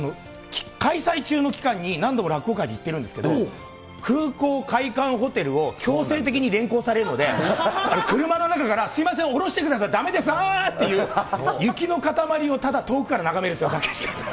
開催中の期間に何度も落語会で行ってるんですけど、空港、会館、ホテルを強制的に連行されるので、あれ、車の中から、すみません、降ろしてください、だめです、あーっていう、雪の塊をただ遠くから眺めるだけって。